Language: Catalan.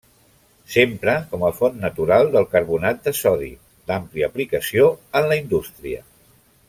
S'empra com a font natural del carbonat de sodi, d'àmplia aplicació en la indústria.